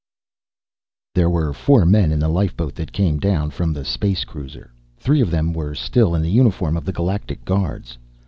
There were four men in the lifeboat that came down from the space cruiser. Three of them were still in the uniform of the Galactic Guards.